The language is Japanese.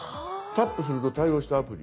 「タップすると対応したアプリ」。